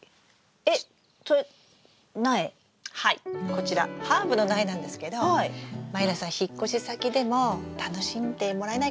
こちらハーブの苗なんですけど満里奈さん引っ越し先でも楽しんでもらえないかなと思って。